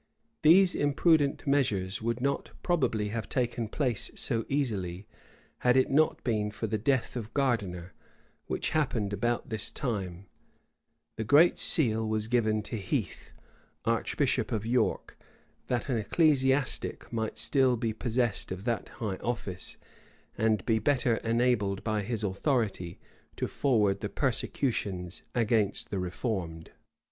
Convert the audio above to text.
[] These imprudent measures would not probably have taken place so easily, had it not been for the death of Gardiner, which happened about this time; the great seal was given to Heathe, archbishop of York, that an ecclesiastic might still be possessed of that high office, and be better enabled by his authority to forward the persecutions against the reformed.